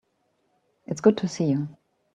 It's good to see you.